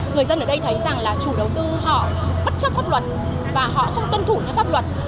người dân ở đây thấy rằng là chủ đầu tư họ bất chấp pháp luật và họ không tuân thủ theo pháp luật